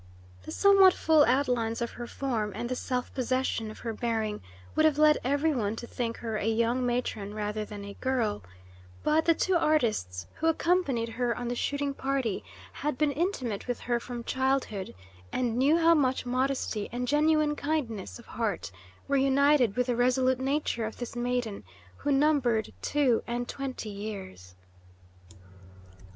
The somewhat full outlines of her form and the self possession of her bearing would have led every one to think her a young matron rather than a girl; but the two artists who accompanied her on the shooting party had been intimate with her from childhood, and knew how much modesty and genuine kindness of heart were united with the resolute nature of this maiden, who numbered two and twenty years.